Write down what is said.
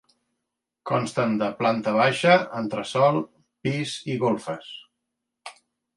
Consten de planta baixa, entresòl, pis i golfes.